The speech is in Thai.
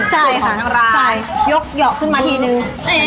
ใช่ค่ะยกเหยาะขึ้นมาทีนึง